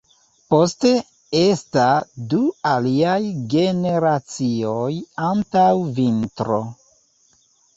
Poste esta du aliaj generacioj antaŭ vintro.